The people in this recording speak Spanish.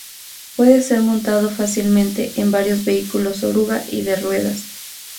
Puede ser montado fácilmente en varios vehículos oruga y de ruedas.